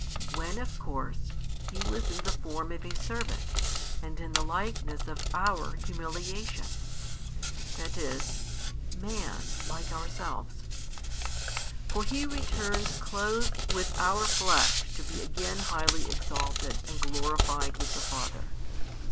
When of course, He was in the form of a servant and in the likeness of our humiliation; that is, man like ourselves. For He returns clothed with our flesh to be again highly exalted and glorified with the Father.